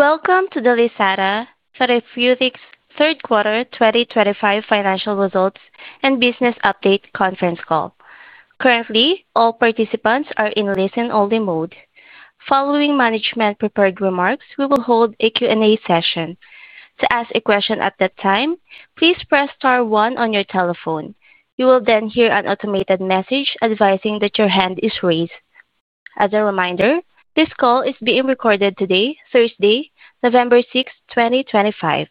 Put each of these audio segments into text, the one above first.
Welcome to the Lisata Therapeutics Q3 2025 Financial Results and Business Update Conference Call. Currently, all participants are in listen-only mode. Following management-prepared remarks, we will hold a Q&A session. To ask a question at that time, please press star, one on your telephone. You will then hear an automated message advising that your hand is raised. As a reminder, this call is being recorded today, Thursday, November 6th, 2025.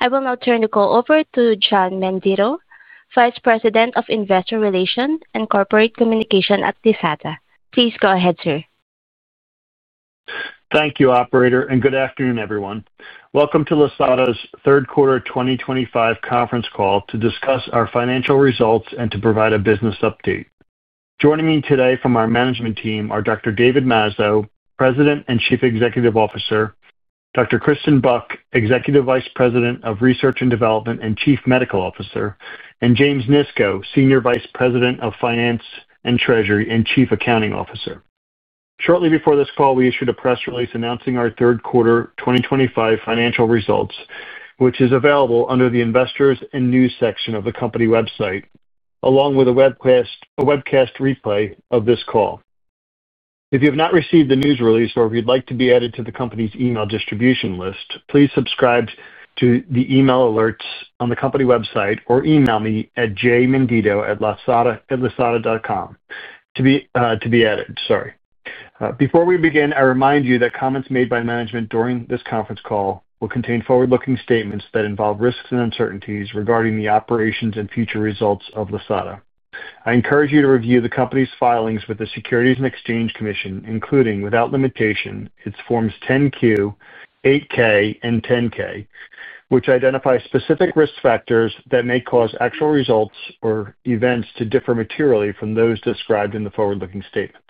I will now turn the call over to John Menditto, Vice President of Investor Relations and Corporate Communication at Lisata. Please go ahead, sir. Thank you, operator. Good afternoon, everyone. Welcome to Lisata's Third Quarter 2025 Conference Call, to discuss our financial results and to provide a business update. Joining me today from our management team are Dr. David Mazzo, President and Chief Executive Officer, Dr. Kristen Buck, Executive Vice President of Research and Development and Chief Medical Officer, and James Nisco, Senior Vice President of Finance and Treasury and Chief Accounting Officer. Shortly before this call, we issued a press release announcing our third quarter 2025 financial results, which is available under the investors and news section of the company website, along with a webcast replay of this call. If you have not received the news release or if you'd like to be added to the company's email distribution list, please subscribe to the email alerts on the company website or email me at jmenditto@lisata.com to be added, sorry. Before we begin, I remind you that comments made by management during this conference call will contain forward-looking statements that involve risks and uncertainties regarding the operations and future results of Lisata. I encourage you to review the company's filings with the Securities and Exchange Commission, including without limitation, its Forms 10-Q, 8-K, and 10-K, which identify specific risk factors that may cause actual results or events to differ materially from those described in the forward-looking statements.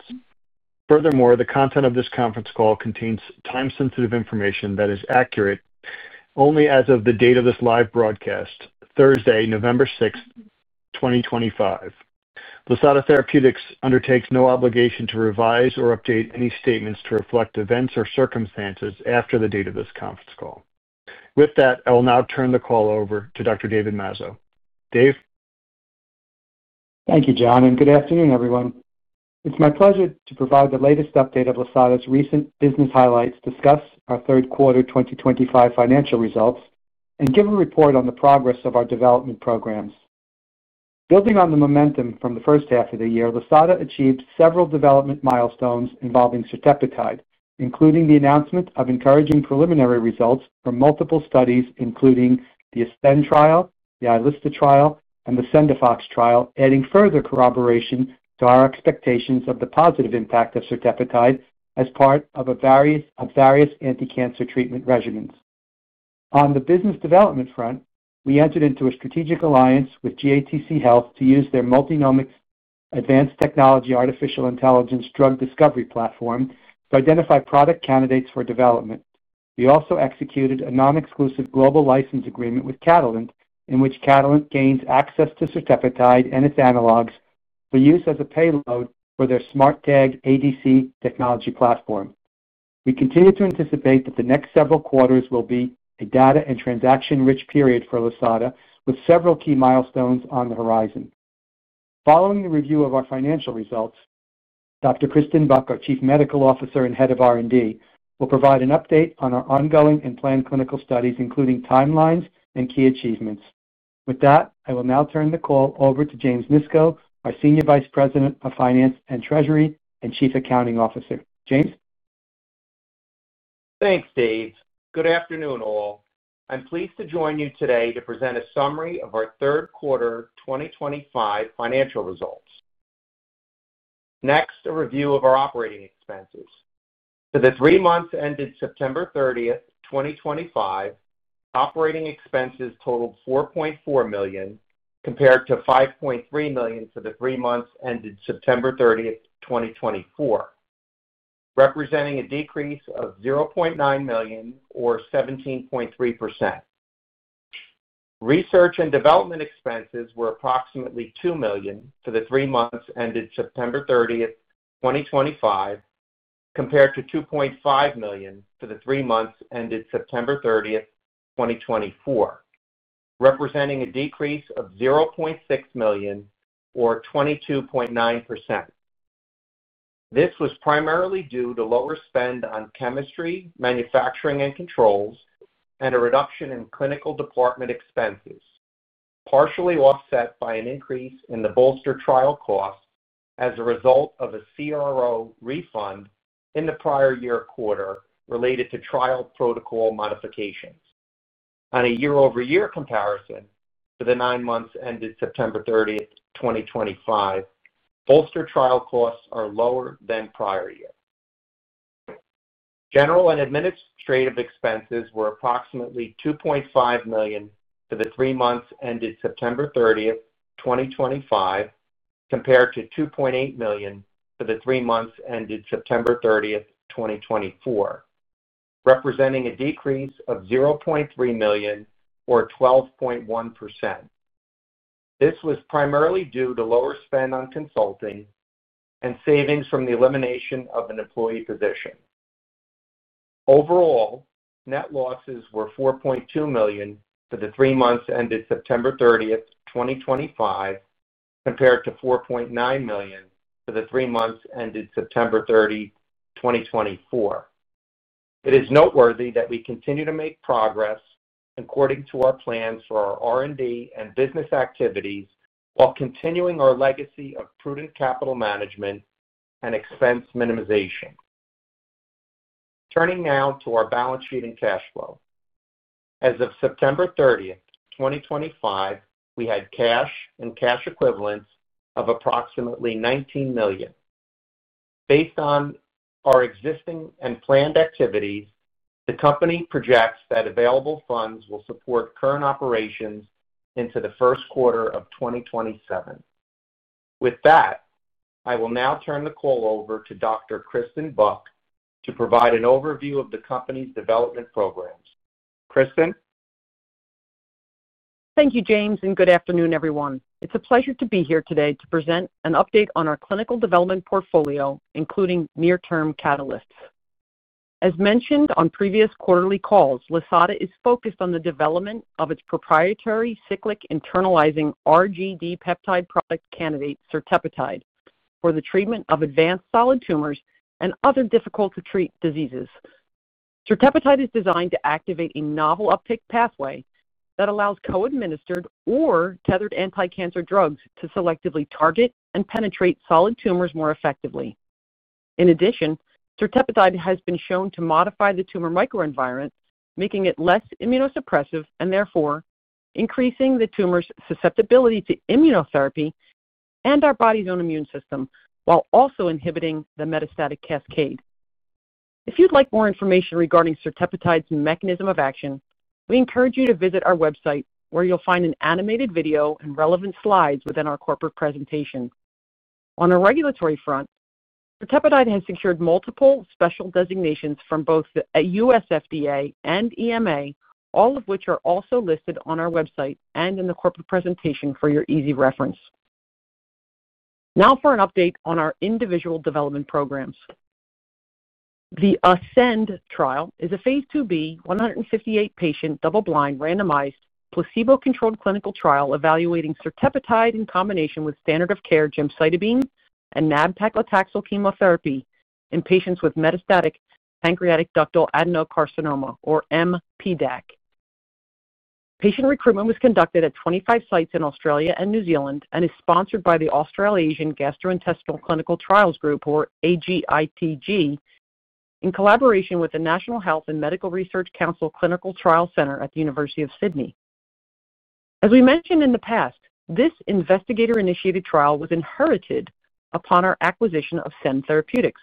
Furthermore, the content of this conference call contains time-sensitive information that is accurate only as of the date of this live broadcast, Thursday, November 6th, 2025. Lisata Therapeutics undertakes no obligation to revise or update any statements to reflect events or circumstances after the date of this conference call. With that, I will now turn the call over to Dr. David Mazzo. Dave. Thank you, John. Good afternoon, everyone. It's my pleasure to provide the latest update of Lisata's recent business highlights, discuss our Q3 2025 financial results and give a report on the progress of our development programs. Building on the momentum from the first half of the year, Lisata achieved several development milestones involving certepetide, including the announcement of encouraging preliminary results from multiple studies, including the ASCEND trial, the iLSTA trial, and the Sendafox trial, adding further corroboration to our expectations of the positive impact of certepetide as part of various anti-cancer treatment regimens. On the business development front, we entered into a strategic alliance with GATC Health, to use their Multinomics Advanced Technology, artificial intelligence drug discovery platform to identify product candidates for development. We also executed a non-exclusive global license agreement with Catalent, in which Catalent gains access to certepetide and its analogs for use as a payload for their SMARTag ADC technology platform. We continue to anticipate that the next several quarters will be a data and transaction-rich period for Lisata, with several key milestones on the horizon. Following the review of our financial results, Dr. Kristen Buck, our Chief Medical Officer and Head of R&D, will provide an update on our ongoing and planned clinical studies, including timelines and key achievements. With that, I will now turn the call over to James Nisco, our Senior Vice President of Finance and Treasury and Chief Accounting Officer. James. Thanks, Dave. Good afternoon, all. I'm pleased to join you today to present a summary of our third quarter 2025 financial results. Next, a review of our operating expenses. For the three months ended September 30th, 2025, operating expenses totaled $4.4 million, compared to $5.3 million for the three months ended September 30th, 2024, representing a decrease of $0.9 million or 17.3%. Research and development expenses were approximately $2 million for the three months ended September 30th, 2025, compared to $2.5 million for the three months ended September 30th, 2024, representing a decrease of $0.6 million or 22.9%. This was primarily due to lower spend on chemistry, manufacturing, and controls, and a reduction in clinical department expenses, partially offset by an increase in the BOLSTER trial costs as a result of a CRO refund in the prior year quarter, related to trial protocol modifications. On a year-over-year comparison for the nine months ended September 30th, 2025, BOLSTER trial costs are lower than prior year. General and administrative expenses were approximately $2.5 million for the three months ended September 30th, 2025, compared to $2.8 million for the three months ended September 30th, 2024, representing a decrease of $0.3 million or 12.1%. This was primarily due to lower spend on consulting and savings from the elimination of an employee position. Overall, net losses were $4.2 million for the three months ended September 30th, 2025, compared to $4.9 million for the three months ended September 30th, 2024. It is noteworthy that we continue to make progress according to our plans for our R&D and business activities, while continuing our legacy of prudent capital management and expense minimization. Turning now to our balance sheet and cash flow. As of September 30th, 2025, we had cash and cash equivalents of approximately $19 million. Based on our existing and planned activities, the company projects that available funds will support current operations into the first quarter of 2027. With that, I will now turn the call over to Dr. Kristen Buck to provide an overview of the company's development programs. Kristen. Thank you, James. Good afternoon, everyone. It's a pleasure to be here today to present an update on our clinical development portfolio, including near-term catalysts. As mentioned on previous quarterly calls, Lisata is focused on the development of its proprietary cyclic internalizing RGD peptide product candidate, certepetide, for the treatment of advanced solid tumors and other difficult-to-treat diseases. Certepetide is designed to activate a novel uptake pathway that allows co-administered, or tethered anti-cancer drugs to selectively target and penetrate solid tumors more effectively. In addition, certepetide has been shown to modify the tumor microenvironment, making it less immunosuppressive and therefore increasing the tumor's susceptibility to immunotherapy and our body's own immune system, while also inhibiting the metastatic cascade. If you'd like more information regarding certepetide's mechanism of action, we encourage you to visit our website, where you'll find an animated video and relevant slides within our corporate presentation. On a regulatory front, certepetide has secured multiple special designations from both the U.S. FDA and EMA, all of which are also listed on our website and in the corporate presentation for your easy reference. Now for an update on our individual development programs. The ASCEND trial is a phase IIb, 158-patient, double-blind, randomized, placebo-controlled clinical trial evaluating certepetide, in combination with standard-of-care gemcitabine and nab-paclitaxel chemotherapy in patients with metastatic pancreatic ductal adenocarcinoma, or mPDAC. Patient recruitment was conducted at 25 sites in Australia and New Zealand, and is sponsored by the Australasian Gastrointestinal Trials Group or AGITG, in collaboration with the National Health and Medical Research Council Clinical Trials Centre at the University of Sydney. As we mentioned in the past, this investigator-initiated trial was inherited upon our acquisition of SEND Therapeutics.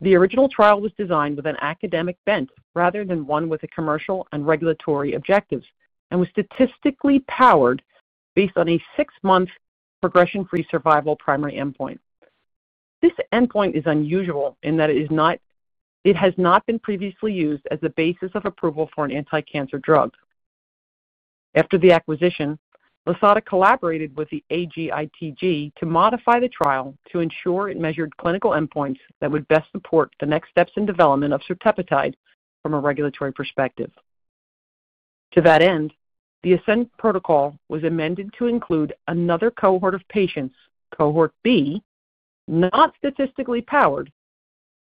The original trial was designed with an academic bent rather than one with commercial and regulatory objectives, and was statistically powered based on a six-month progression-free survival primary endpoint. This endpoint is unusual, in that it has not been previously used as the basis of approval for an anti-cancer drug. After the acquisition, Lisata collaborated with the AGITG to modify the trial to ensure it measured clinical endpoints that would best support the next steps in development of certepetide from a regulatory perspective. To that end, the ASCEND protocol was amended to include another cohort of patients, cohort B, not statistically powered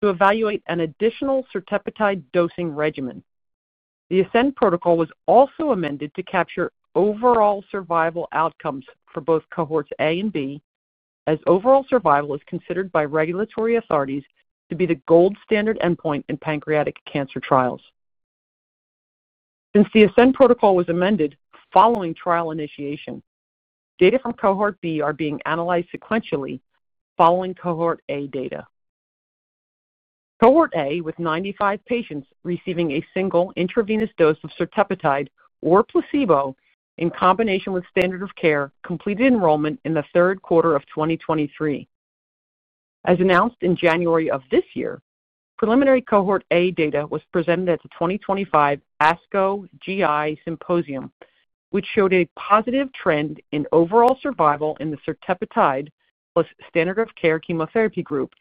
to evaluate an additional certepetide dosing regimen. The ASCEND protocol was also amended to capture overall survival outcomes for both cohorts A and B, as overall survival is considered by regulatory authorities to be the gold standard endpoint in pancreatic cancer trials. Since the ASCEND protocol was amended following trial initiation, data from cohort B are being analyzed sequentially following cohort A data. Cohort A, with 95 patients receiving a single intravenous dose of certepetide or placebo in combination with standard of care, completed enrollment in the third quarter of 2023. As announced in January of this year, preliminary cohort A data was presented at the 2025 ASCO GI Symposium, which showed a positive trend in overall survival in the certepetide plus standard of care chemotherapy group,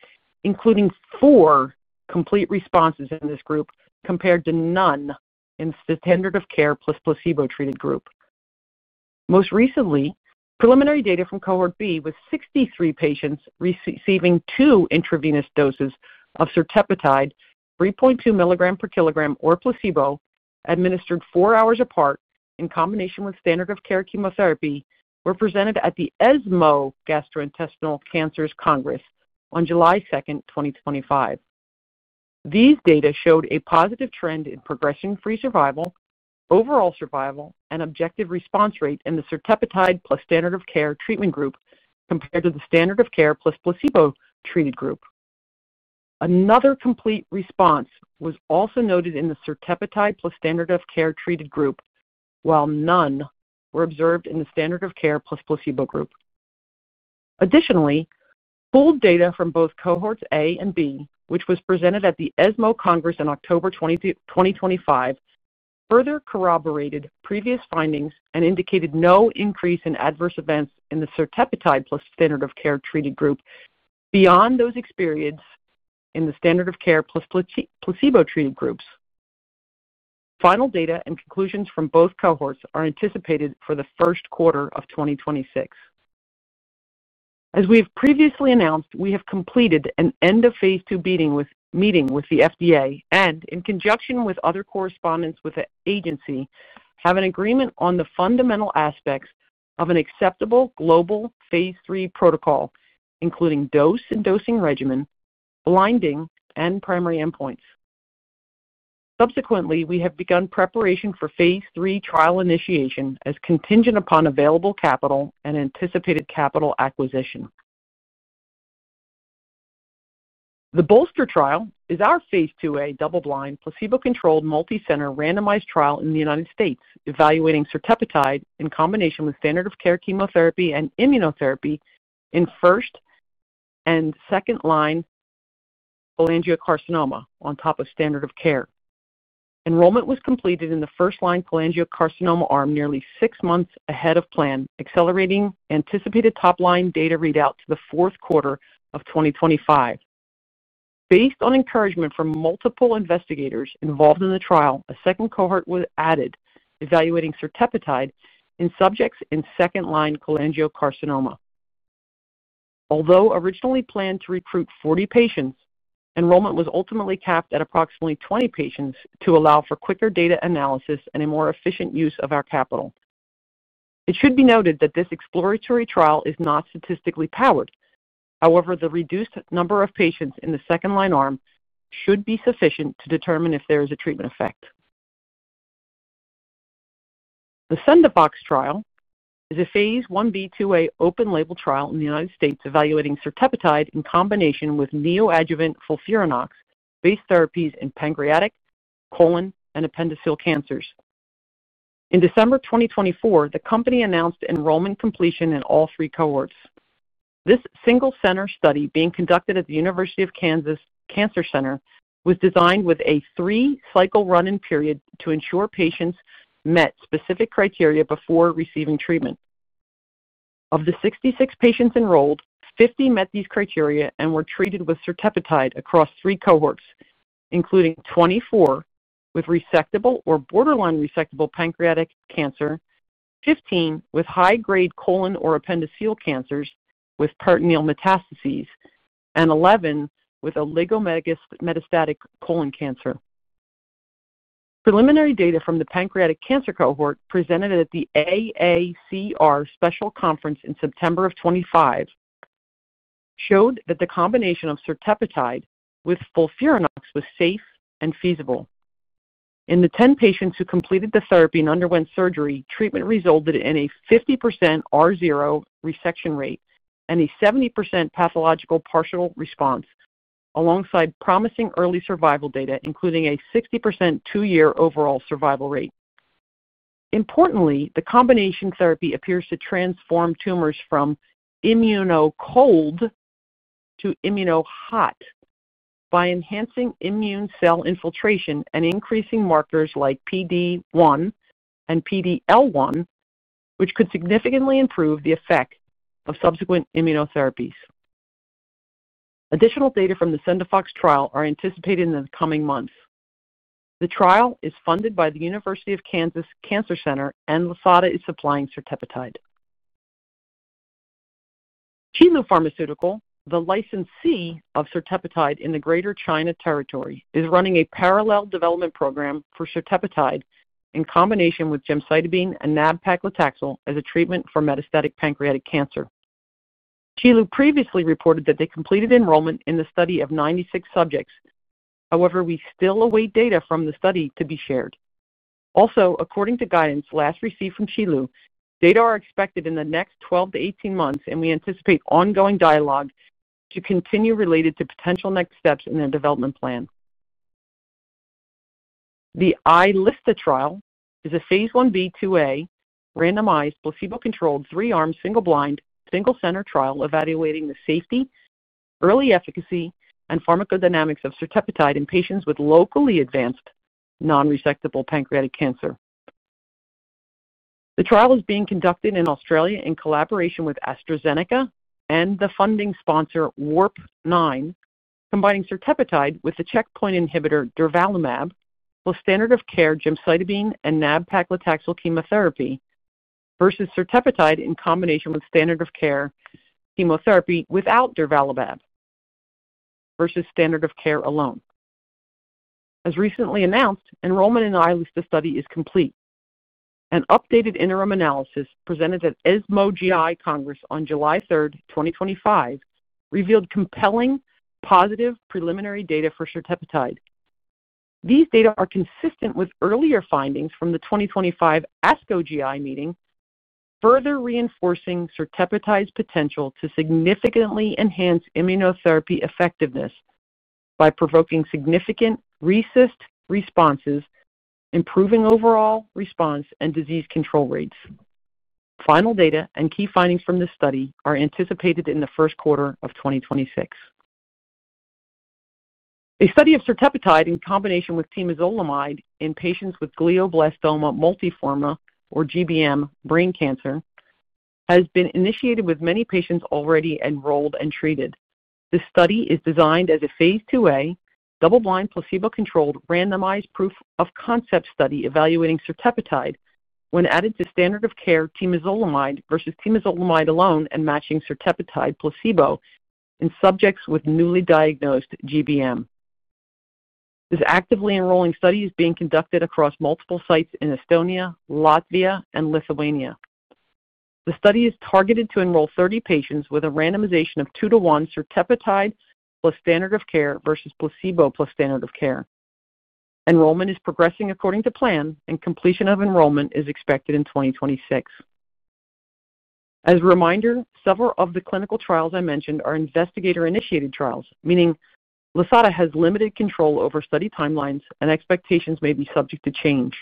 including four complete responses in this group. compared to none in the standar-of-care plus placebo-treated group. Most recently, preliminary data from cohort B with 63 patients receiving two intravenous doses of certepetide 3.2 mg per kilogram, or placebo administered four hours apart in combination with standard-of-care chemotherapy, were presented at the ESMO Gastrointestinal Cancers Congress on July 2nd, 2025. These data showed a positive trend in progression-free survival, overall survival, and objective response rate in the certepetide plus standard-of-care treatment group, compared to the standard of care plus placebo-treated group. Another complete response was also noted in the certepetide plus standard of care treated group, while none were observed in the standard of care plus placebo group. Additionally, full data from both cohorts A and B, which was presented at the ESMO Congress in October 2025, further corroborated previous findings and indicated no increase in adverse events in the certepetide plus standard of care treated group, beyond those experienced in the standard of care plus placebo-treated groups. Final data and conclusions from both cohorts are anticipated for the first quarter of 2026. As we have previously announced, we have completed an end-of-phase IIB meeting with the FDA, and in conjunction with other correspondence with the agency, have an agreement on the fundamental aspects of an acceptable global phase III protocol, including dose and dosing regimen, blinding, and primary endpoints. Subsequently, we have begun preparation for phase III trial initiation, as contingent upon available capital and anticipated capital acquisition. The BOLSTER trial is our phase IIA double-blind placebo-controlled multi-center randomized trial in the United States, evaluating certepetide in combination with standard of care chemotherapy and immunotherapy in first and second-line cholangiocarcinoma on top of standard of care. Enrollment was completed in the first-line cholangiocarcinoma arm nearly six months ahead of plan, accelerating anticipated top-line data readout to the fourth quarter of 2025. Based on encouragement from multiple investigators involved in the trial, a second cohort was added, evaluating certepetide in subjects in second-line cholangiocarcinoma. Although originally planned to recruit 40 patients, enrollment was ultimately capped at approximately 20 patients, to allow for quicker data analysis and a more efficient use of our capital. It should be noted that this exploratory trial is not statistically powered. However, the reduced number of patients in the second-line arm should be sufficient to determine if there is a treatment effect. The Sendafox trial is a phase IA/IIA open-label trial in the United States, evaluating certepetide in combination with neoadjuvant FOLFIRINOX-based therapies in pancreatic, colon, and appendiceal cancers. In December 2024, the company announced enrollment completion in all three cohorts. This single-center study being conducted at the University of Kansas Cancer Center, was designed with a three-cycle run-in period to ensure patients met specific criteria before receiving treatment. Of the 66 patients enrolled, 50 met these criteria and were treated with certepetide across three cohorts, including 24 with resectable or borderline resectable pancreatic cancer, 15 with high-grade colon or appendiceal cancers with peritoneal metastases, and 11 with oligometastatic colon cancer. Preliminary data from the pancreatic cancer cohort presented at the AACR Special Conference in September of 2025, showed that the combination of certepetide with FOLFIRINOX was safe and feasible. In the 10 patients who completed the therapy and underwent surgery, treatment resulted in a 50% R0 resection rate and a 70% pathological partial response, alongside promising early survival data, including a 60% two-year overall survival rate. Importantly, the combination therapy appears to transform tumors from immunocold to immunohot, By enhancing immune cell infiltration and increasing markers like PD-1 and PD-L1, which could significantly improve the effect of subsequent immunotherapies. Additional data from the Sendafox trial are anticipated in the coming months. The trial is funded by the University of Kansas Cancer Center, and Lisata is supplying certepetide. Qilu Pharmaceutical, the licensee of certepetide in the Greater China territory, is running a parallel development program for certepetide, in combination with gemcitabine and nab-paclitaxel as a treatment for metastatic pancreatic cancer. Qilu previously reported that they completed enrollment in the study of 96 subjects. However, we still await data from the study to be shared. Also, according to guidance last received from Qilu, data are expected in the next 12-18 months, and we anticipate ongoing dialogue to continue related to potential next steps in their development plan. The iLISTA trial is a phase Ib/IIa randomized placebo-controlled three-arm, single-blind, single-center trial evaluating the safety, early efficacy, and pharmacodynamics of certepetide in patients with locally advanced non-resectable pancreatic cancer. The trial is being conducted in Australia in collaboration with AstraZeneca and the funding sponsor Warp 9, combining certepetide with the checkpoint inhibitor durvalumab plus standard of care, gemcitabine and nab-paclitaxel chemotherapy versus certepetide in combination with standard of care chemotherapy without durvalumab, versus standard of care alone. As recently announced, enrollment in the iLISTA study is complete. An updated interim analysis presented at ESMO GI Congress on July 3rd, 2025, revealed compelling positive preliminary data for certepetide. These data are consistent with earlier findings from the 2025 ASCO GI meeting, further reinforcing certepetide's potential to significantly enhance immunotherapy effectiveness, by provoking significant recessed responses, improving overall response and disease control rates. Final data and key findings from this study are anticipated in the first quarter of 2026. A study of certepetide in combination with temozolomide in patients with glioblastoma multiforme or GBM, brain cancer has been initiated with many patients already enrolled and treated. This study is designed as a phase IIA double-blind placebo-controlled randomized proof-of-concept study evaluating certepetide, when added to standard of care temozolomide versus temozolomide alone, and matching certepetide placebo in subjects with newly diagnosed GBM. This actively enrolling study is being conducted across multiple sites in Estonia, Latvia, and Lithuania. The study is targeted to enroll 30 patients with a randomization of two-to-one certepetide plus standard of care versus placebo plus standard of care. Enrollment is progressing according to plan, and completion of enrollment is expected in 2026. As a reminder, several of the clinical trials I mentioned are investigator-initiated trials, meaning Lisata has limited control over study timelines and expectations may be subject to change.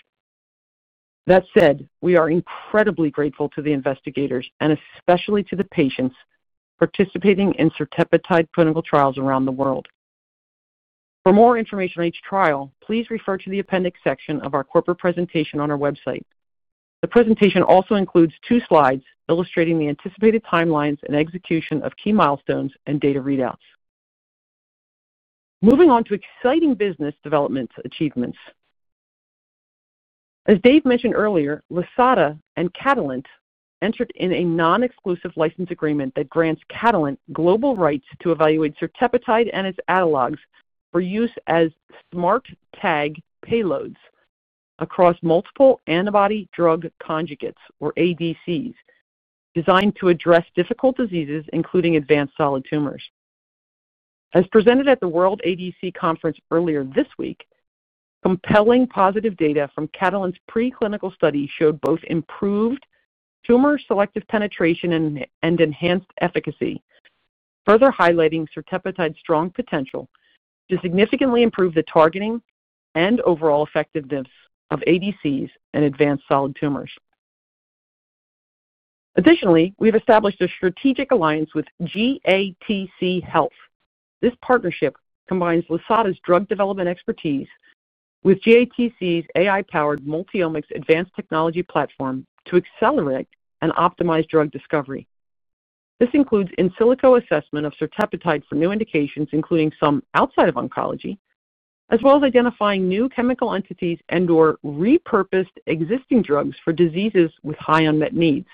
That said, we are incredibly grateful to the investigators and especially to the patients participating in certepetide clinical trials around the world. For more information on each trial, please refer to the appendix section of our corporate presentation on our website. The presentation also includes two slides illustrating the anticipated timelines and execution of key milestones and data readouts. Moving on to exciting business developments and achievements. As Dave mentioned earlier, Lisata and Catalent entered in a non-exclusive license agreement that grants Catalent global rights to evaluate certepetide and its analogues, for use as SMARTag payloads across multiple antibody-drug conjugates or ADCs, designed to address difficult diseases, including advanced solid tumors. As presented at the World ADC Conference earlier this week, compelling positive data from Catalent's preclinical study showed both improved tumor-selective penetration and enhanced efficacy, further highlighting certepetide's strong potential to significantly improve the targeting and overall effectiveness of ADCs and advanced solid tumors. Additionally, we've established a strategic alliance with GATC Health. This partnership combines Lisata's drug development expertise with GATC's AI-powered Multiomics Advanced Technology platform, to accelerate and optimize drug discovery. This includes in silico assessment of certepetide for new indications, including some outside of oncology, as well as identifying new chemical entities and/or repurposed existing drugs for diseases with high unmet needs,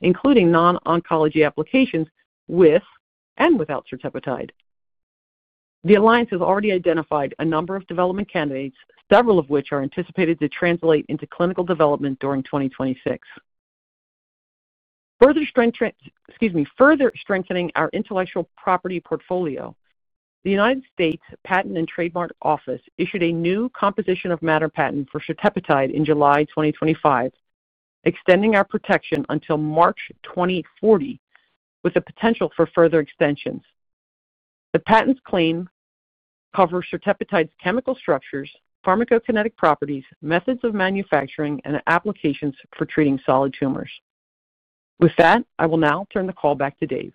including non-oncology applications with and without certepetide. The alliance has already identified a number of development candidates, several of which are anticipated to translate into clinical development during 2026. Further, strengthening our intellectual property portfolio, the United States Patent and Trademark Office issued a new composition of matter patent for certepetide in July 2025, extending our protection until March 2040, with the potential for further extensions. The patent's claim covers certepetide's chemical structures, pharmacokinetic properties, methods of manufacturing, and applications for treating solid tumors. With that, I will now turn the call back to Dave.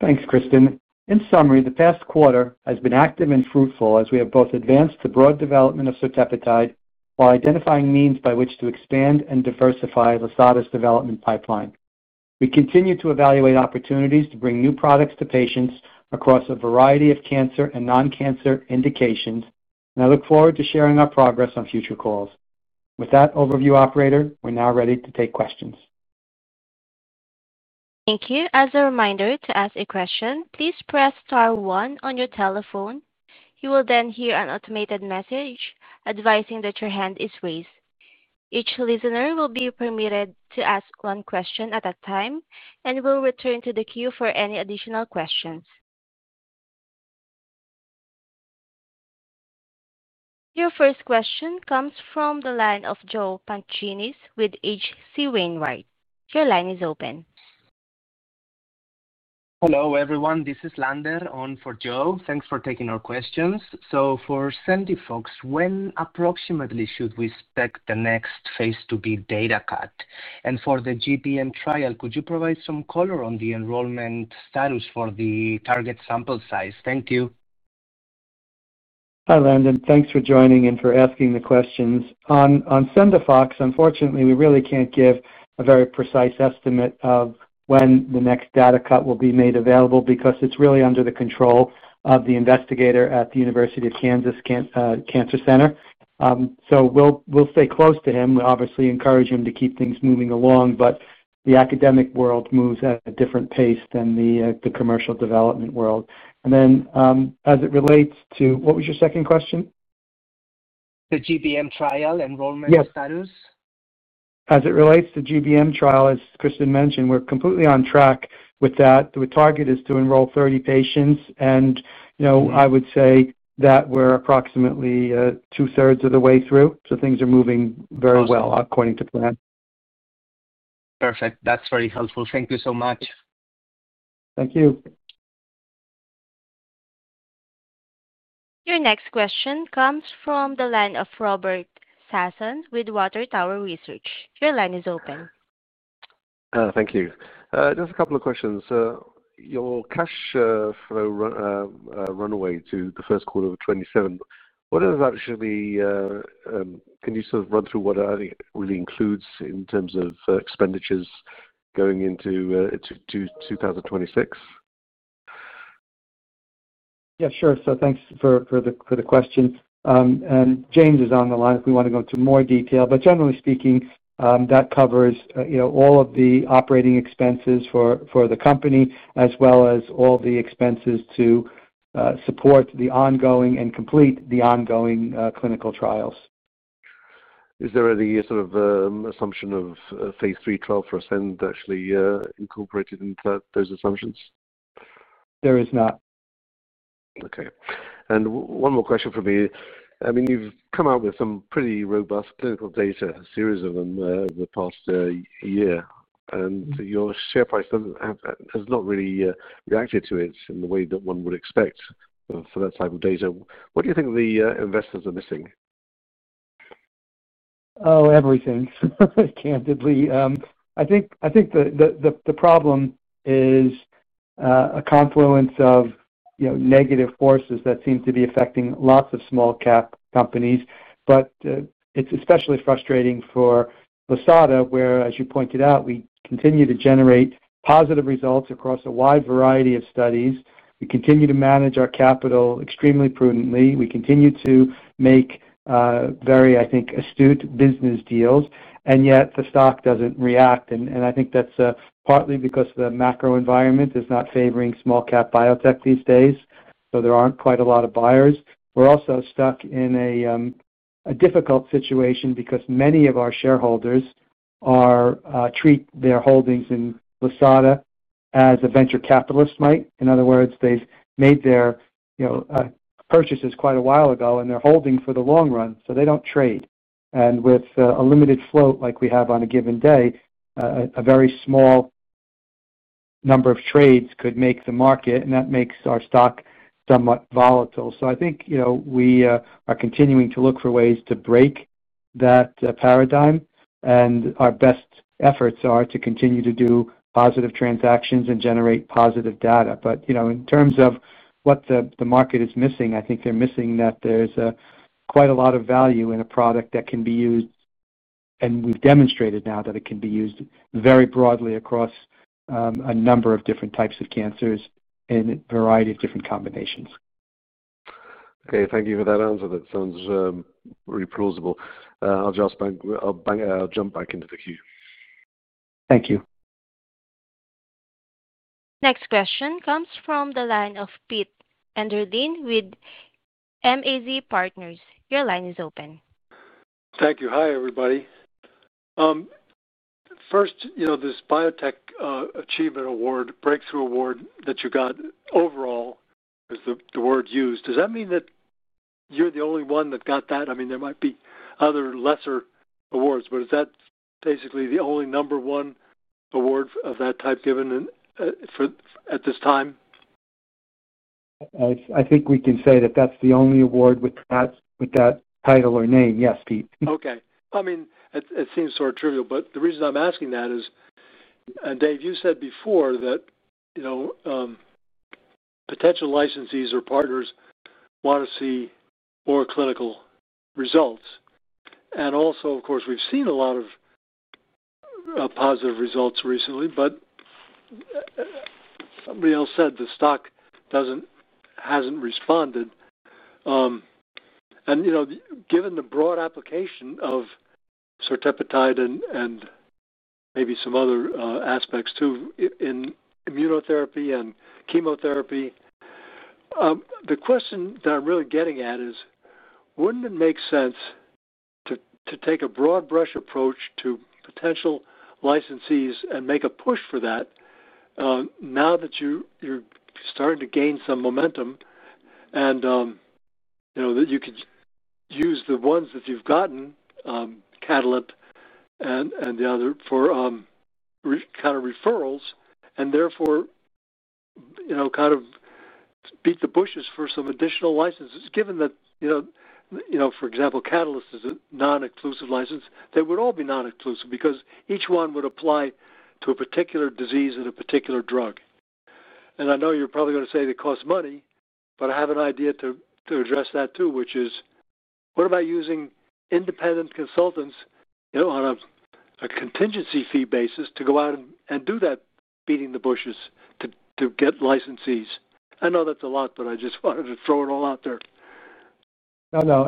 Thanks, Kristen. In summary, the past quarter has been active and fruitful, as we have both advanced the broad development of certepetide, while identifying means by which to expand and diversify Lisata's development pipeline. We continue to evaluate opportunities to bring new products to patients across a variety of cancer and non-cancer indications, and I look forward to sharing our progress on future calls. With that overview, operator, we're now ready to take questions. Thank you. As a reminder, to ask a question, please press star, one on your telephone. You will then hear an automated message advising that your hand is raised. Each listener will be permitted to ask one question at a time, and will return to the queue for any additional questions. Your first question comes from the line of Joe Pantgini with H.C. Wainwright. Your line is open. Hello, everyone. This is Lander on for Joe. Thanks for taking our questions. For Sendafox, when approximately should we expect the next phase IIB data cut? For the GBM trial, could you provide some color on the enrollment status for the target sample size? Thank you. Hi, Lander. Thanks for joining and for asking the questions. On Sendafox, unfortunately, we really can't give a very precise estimate of when the next data cut will be made available, because it's really under the control of the investigator at the University of Kansas Cancer Center. We will stay close to him. We obviously encourage him to keep things moving along, but the academic world moves at a different pace than the commercial development world. What was your second question? The GBM trial enrollment status? Yes. As it relates to the GBM trial, as Kristen mentioned, we're completely on track with that. The target is to enroll 30 patients, and I would say that we're approximately 2/3 of the way through. Things are moving very well according to plan. Perfect, that's very helpful. Thank you so much. Thank you. Your next question comes from the line of Robert Sassoon with Water Tower Research. Your line is open. Thank you. Just a couple of questions. Your cash flow runway to the first quarter of 2027, can you sort of run through what that really includes in terms of expenditures going into 2026? Yeah, sure. Thanks for the question. James is on the line if we want to go into more detail. Generally speaking, that covers all of the operating expenses for the company, as well as all the expenses to support the ongoing and complete the ongoing clinical trials. Is there any sort of assumption of a phase III trial for SEND to actually incorporate into those assumptions? There is not. Okay. One more question from me. I mean, you've come out with some pretty robust clinical data, a series of them over the past year. Your share price has not really reacted to it in the way that one would expect for that type of data. What do you think the investors are missing? Oh, everything, candidly. I think the problem is a confluence of negative forces that seem to be affecting lots of small-cap companies. It is especially frustrating for Lisata, where as you pointed out, we continue to generate positive results across a wide variety of studies. We continue to manage our capital extremely prudently. We continue to make very, I think astute business deals and yet the stock does not react. I think that is partly because the macro environment is not favoring small-cap biotech these days, so there are not quite a lot of buyers. We are also stuck in a difficult situation, because many of our shareholders treat their holdings in Lisata as a venture capitalist might. In other words, they have made their purchases quite a while ago and they're holding for the long run, so they do not trade. With a limited float like we have on a given day, a very small number of trades could make the market and that makes our stock somewhat volatile. I think we are continuing to look for ways to break that paradigm, and our best efforts are to continue to do positive transactions and generate positive data. In terms of what the market is missing, I think they're missing that there's quite a lot of value in a product that can be used. We've demonstrated now that it can be used very broadly across a number of different types of cancers in a variety of different combinations. Okay, Thank you for that answer. That sounds very plausible. I'll jump back into the queue. Thank you. Next question comes from the line of Pete Enderlin with MAZ Partners. Your line is open. Thank you. Hi, everybody. First, this biotech achievement award, breakthrough award that you got overall, is the word used. Does that mean that you're the only one that got that? I mean, there might be other lesser awards, but is that basically the only number one award of that type given at this time? I think we can say that that's the only award with that title or name. Yes, Pete. Okay. I mean, it seems sort of trivial, but the reason I'm asking that is, Dave, you said before that potential licensees or partners want to see more clinical results. Also, of course, we've seen a lot of positive results recently, but somebody else said the stock hasn't responded. Given the broad application of certepetide and maybe some other aspects too in immunotherapy and chemotherapy, the question that I'm really getting at is, wouldn't it make sense to take a broad-brush approach to potential licensees and make a push for that now that you're starting to gain some momentum, and that you could use the ones that you've gotten, Catalent and the other for kind of referrals and therefore kind of beat the bushes for some additional licenses? Given that, for example, Catalent is a non-inclusive license, they would all be non-inclusive because each one would apply to a particular disease and a particular drug. I know you're probably going to say they cost money, but I have an idea to address that too, which is, what about using independent consultants on a contingency fee basis to go out and do that beating the bushes to get licensees? I know that's a lot, but I just wanted to throw it all out there. No.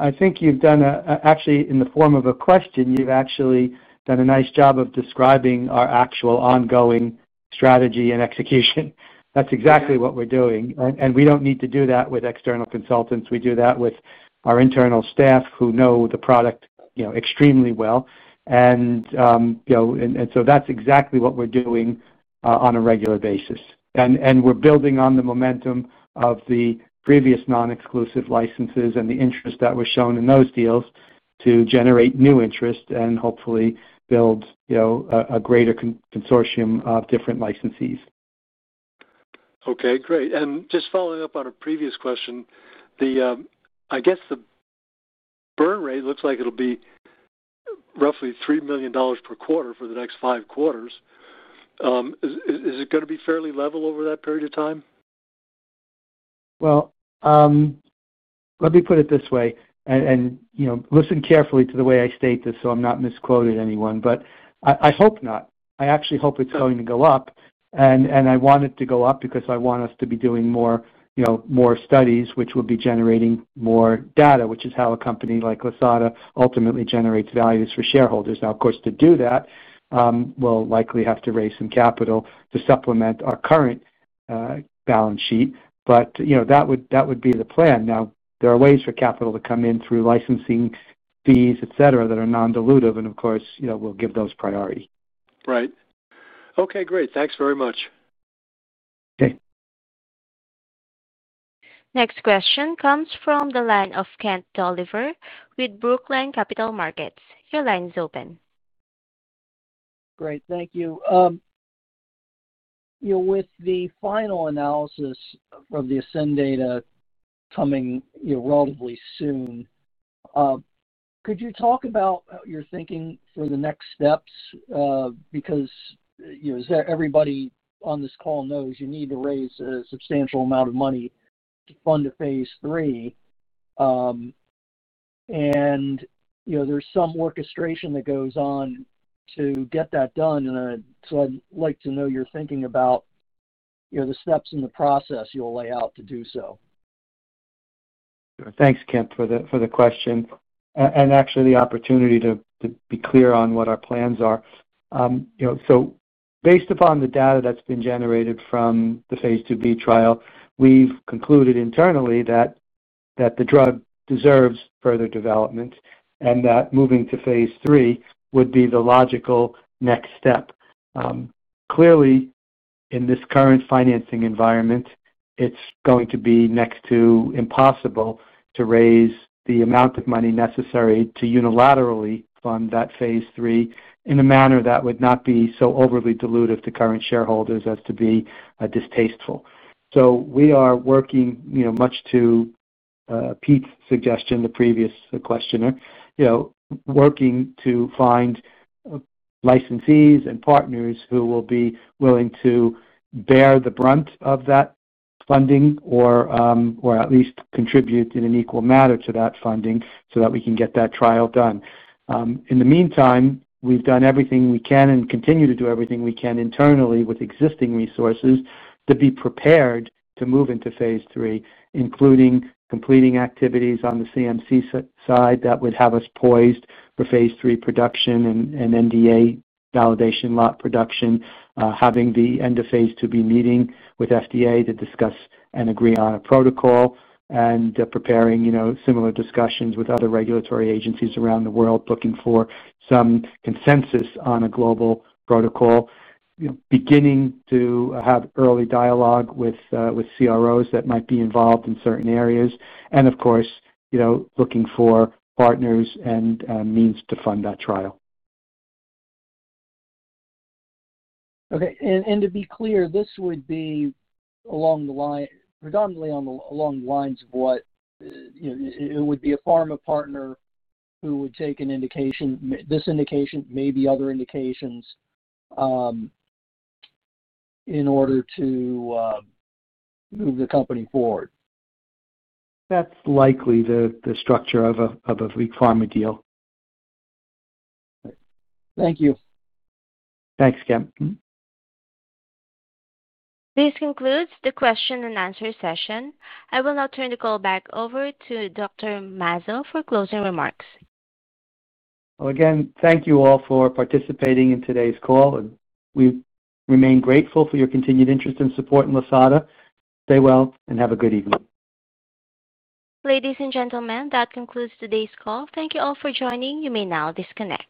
I think actually, in the form of a question, you've actually done a nice job of describing our actual ongoing strategy and execution. That's exactly what we're doing. We do not need to do that with external consultants. We do that with our internal staff who know the product extremely well. That's exactly what we are doing on a regular basis. We're building on the momentum of the previous non-exclusive licenses, and the interest that was shown in those deals to generate new interest and hopefully build a greater consortium of different licensees. Okay, great. Just following up on a previous question, I guess the burn rate, looks like it will be roughly $3 million per quarter for the next five quarters. Is it going to be fairly level over that period of time? Let me put it this way, and listen carefully to the way I state this, so I am not misquoting anyone, but I hope not. I actually hope it's going to go up. I want it to go up because I want us to be doing more studies, which will be generating more data, which is how a company like Lisata ultimately generates values for shareholders. Of course, to do that, we'll likely have to raise some capital to supplement our current balance sheet. That would be the plan. There are ways for capital to come in through licensing fees, etc., that are non-dilutive. Of course, we'll give those priority. Right. Okay, great. Thanks very much. Okay. Next question comes from the line of Kemp Dolliver with Brookline Capital Markets. Your line is open. Great. Thank you. With the final analysis of the SEND data coming relatively soon, could you talk about your thinking for the next steps? Everybody on this call knows you need to raise a substantial amount of money to fund a phase III. There's some orchestration that goes on to get that done. I'd like to know your thinking about the steps in the process you'll lay out to do so. Thanks, Kemp for the question, and actually the opportunity to be clear on what our plans are. Based upon the data that's been generated from the phase IIB trial, we've concluded internally that the drug deserves further development and that moving to phase III would be the logical next step. Clearly, in this current financing environment, it's going to be next to impossible to raise the amount of money necessary to unilaterally fund that phase III in a manner that would not be so overly dilutive to current shareholders as to be distasteful. We are working, much to Pete's suggestion, the previous questioner, working to find licensees and partners who will be willing to bear the brunt of that funding, or at least contribute in an equal manner to that funding so that we can get that trial done. In the meantime, we've done everything we can and continue to do everything we can internally with existing resources, to be prepared to move into phase IIII, including completing activities on the CMC sIde, that would have us poised for phase III production and NDA validation, lot production, having the end of phase IIB meeting with FDA to discuss and agree on a protocol. Preparing similar discussions with other regulatory agencies around the world, looking for some consensus on a global protocol, beginning to have early dialogue with CROs that might be involved in certain areas, and of course, looking for partners and means to fund that trial. Okay. To be clear, this would be predominantly along the lines of what, it would be a pharma partner who would take this indication, maybe other indications in order to move the company forward? That's likely the structure of a pharma deal. Thank you. Thanks, Kemp This concludes the question-and-answer session. I will now turn the call back over to Dr. Mazzo for closing remarks. Again, thank you all for participating in today's call. We remain grateful for your continued interest and support in Lisata. Stay well, and have a good evening. Ladies and gentlemen, that concludes today's call. Thank you all for joining. You may now disconnect.